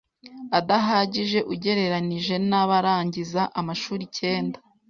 adahagije ugererenije n abarangiza amashuri icyenda